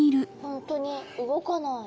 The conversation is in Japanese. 本当に動かない。